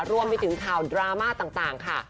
รวมไปถึงข่าวดราม่าต่างค่ะ